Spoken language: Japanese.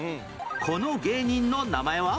この芸人の名前は？